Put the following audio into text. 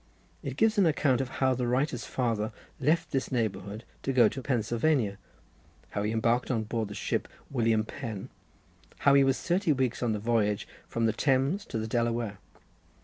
It gives an account of how the writer's father left this neighbourhood to go to Pensilvania; how he embarked on board the ship William Pen; how he was thirty weeks on the voyage from the Thames to the Delaware.